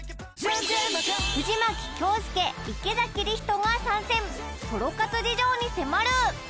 藤牧京介池理人が参戦ソロ活事情に迫る！